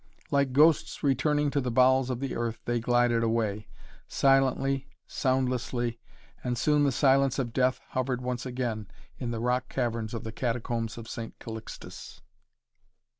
Like ghosts returning to the bowels of the earth, they glided away, silently, soundlessly, and soon the silence of death hovered once again in the rock caverns of the Catacombs of St. Calixtus.